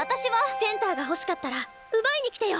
センターが欲しかったら奪いにきてよ。